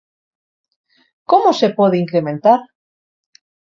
Como se pode incrementar?